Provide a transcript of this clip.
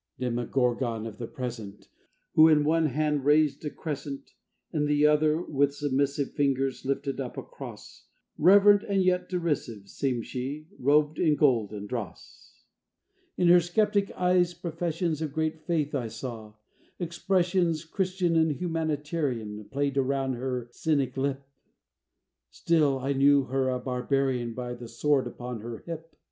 Demogorgon of the Present! Who in one hand raised a Crescent, In the other, with submissive Fingers, lifted up a Cross; Reverent and yet derisive Seemed she, robed in gold and dross. In her skeptic eyes professions Of great faith I saw; expressions, Christian and humanitarian, Played around her cynic lip; Still I knew her a barbarian By the sword upon her hip.